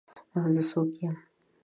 زه څوک یم؟